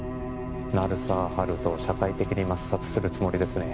鳴沢温人を社会的に抹殺するつもりですね